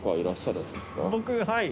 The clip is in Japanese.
僕はい。